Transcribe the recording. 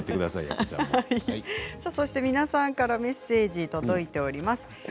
皆さんからメッセージが届いております。